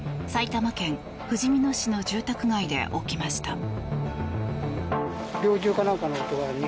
埼玉県ふじみ野市の住宅街で起きました。